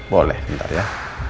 boleh ntar ya